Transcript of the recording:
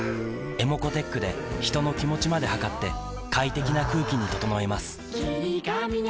ｅｍｏｃｏーｔｅｃｈで人の気持ちまで測って快適な空気に整えます